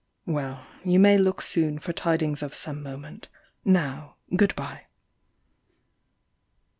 Well, you may look soon For tidings of some moment Now, good bye."